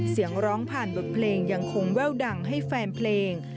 เสียงร้องผ่านบทเพลงยังคงแว่วดังให้แฟนเพลง